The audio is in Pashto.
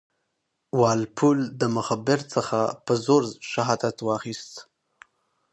وال پول د مخبر څخه په زور شهادت واخیست.